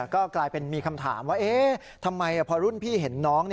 ก็กลายเป็นมีคำถามว่าทำไมพอรุ่นพี่เห็นน้อง